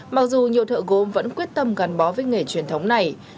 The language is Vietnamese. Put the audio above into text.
mặc dù nhiều thợ gốm vẫn quyết tâm gắn bó với nghề truyền thống này